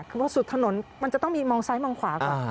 คือว่าสุดถนนมันจะต้องมีมองซ้ายมองขวาก่อน